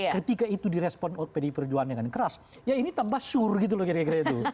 ketika itu direspon pdi perjuangan dengan keras ya ini tambah sur gitu loh kira kira itu